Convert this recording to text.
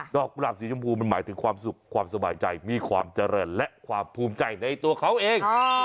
กุหลาบสีชมพูมันหมายถึงความสุขความสบายใจมีความเจริญและความภูมิใจในตัวเขาเอง